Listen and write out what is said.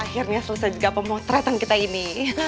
akhirnya selesai juga pemotretan kita ini